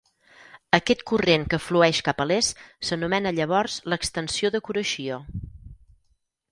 Aquest corrent que flueix cap a l'est s'anomena llavors l'Extensió de Kuroshio.